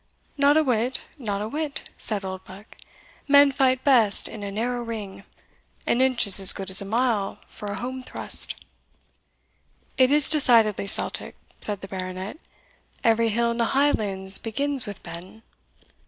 "Not a whit, not a whit," said Oldbuck; "men fight best in a narrow ring an inch is as good as a mile for a home thrust." "It is decidedly Celtic," said the Baronet; "every hill in the Highlands begins with Ben."